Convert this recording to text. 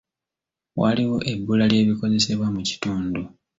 Waliwo ebbula ly'ebikozesebwa mu kitundu.